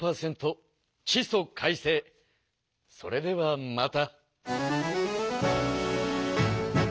それではまた。